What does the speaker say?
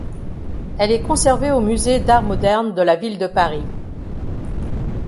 Elle est conservée au musée d'Art moderne de la ville de Paris.